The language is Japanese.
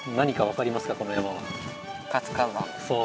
そう。